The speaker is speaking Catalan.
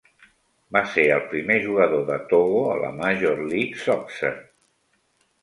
Va ser el primer jugador de Togo a la Major League Soccer.